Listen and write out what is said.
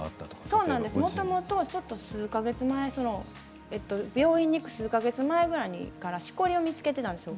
もともと、病院に行く数か月前からしこりを見つけていたんです。